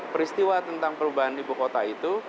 peristiwa tentang perubahan ibu kota itu